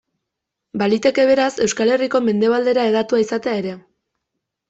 Baliteke beraz Euskal Herriko mendebaldera hedatua izatea ere.